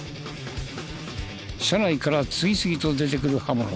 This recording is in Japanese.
車内から次々と出てくる刃物。